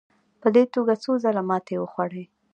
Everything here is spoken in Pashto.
په دې توګه څو ځله ماتې وخوړې.